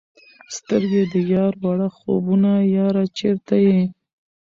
سترګي د یار وړه خوبونه یاره چیرته یې؟